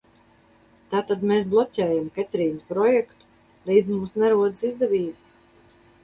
Tātad mēs bloķējam Ketrīnas projektu līdz mums nerodas izdevība?